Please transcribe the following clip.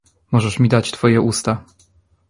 "Możesz mi dać twoje usta!"